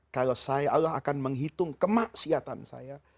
kalau saya allah akan menghitung kemaksiatan saya